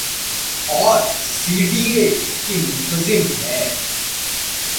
اورسی D A اس کی منتظم ہے۔